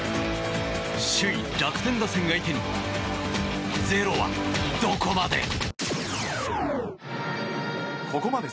首位、楽天打線相手に０はどこまで。